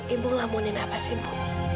ibu ngelamunin apa sih ibu